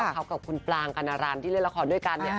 เขากับคุณปลางกัณรันที่เล่นละครด้วยกันเนี่ย